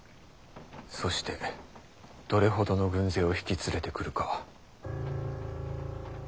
そしてどれほどの軍勢を引き連れてくるか。